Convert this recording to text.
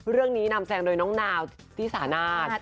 เรื่องนี้นำแซงโดยน้องนาวที่สานาท